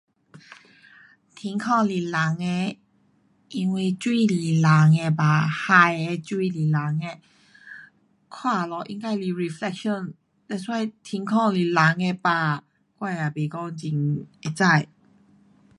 天空是蓝的，因为水是蓝的吧。海的水是蓝的。看咯，应该是 reflection, that's why 天空是蓝的吧。我也不讲很会知。